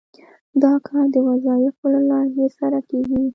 دا کار د وظایفو له لایحې سره کیږي.